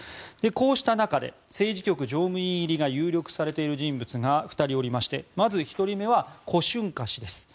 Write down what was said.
こうした中で政治局常務委員入りが有力視されている人物が２人いましてまず１人目はコ・シュンカ氏です。